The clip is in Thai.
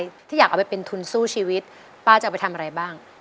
ถ้าอยากเอาไปเป็นทุนสู้ชีวิตป้าจะเอาไปทำอะไรบ้าง